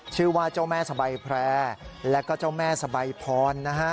ชื่อว่าเจ้าแม่สบายแพร่แล้วก็เจ้าแม่สบายพรนะฮะ